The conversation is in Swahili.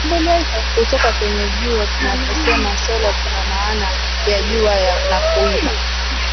kutoka kwenye jua tunaposema sola tunamaana ya jua na kuiba